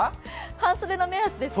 半袖の目安ですね。